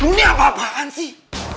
ini apa apaan sih